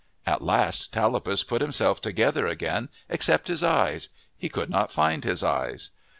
At last Tallapus put himself together again except his eyes. He could not find his eyes.